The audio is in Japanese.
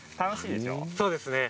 そうですね。